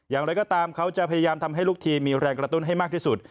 อย่างไรก็ตามเขาจะพยายามทำให้ลูกทีมมีแรงกระตุ้นให้มากที่สุด